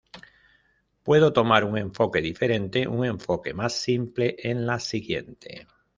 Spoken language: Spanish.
Puedo tomar un enfoque diferente, un enfoque más simple en la siguiente.